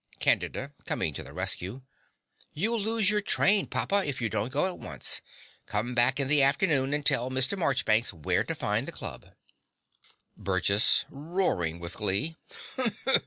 CANDIDA (coming to the rescue). You'll lose your train, papa, if you don't go at once. Come back in the afternoon and tell Mr. Marchbanks where to find the club. BURGESS (roaring with glee).